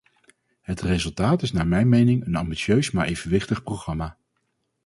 Het resultaat is naar mijn mening een ambitieus maar evenwichtig programma.